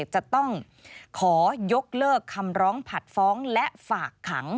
จะต้องขอยกเลิกคำร้องผัดฟ้องและฝากขัง